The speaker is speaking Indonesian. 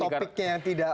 topiknya yang tidak